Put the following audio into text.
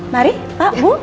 mari pak bu